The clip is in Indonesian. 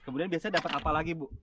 kemudian biasanya dapat apa lagi bu